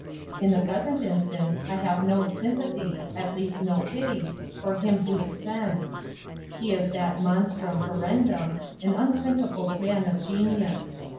In the present instance I have no sympathy—at least no pity—for him who descends. He is that monstrum horrendum, an unprincipled man of genius.